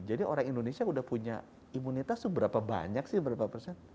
jadi orang indonesia sudah punya imunitas itu berapa banyak sih berapa persen